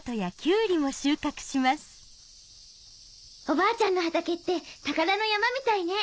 おばあちゃんの畑って宝の山みたいね。